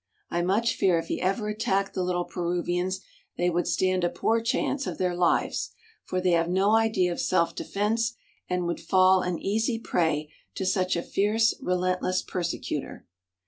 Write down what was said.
I much fear if he ever attacked the little Peruvians they would stand a poor chance of their lives, for they have no idea of self defence and would fall an easy prey to such a fierce, relentless persecutor.